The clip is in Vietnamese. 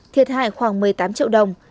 thiệt hại khoảng một mươi tám triệu đồng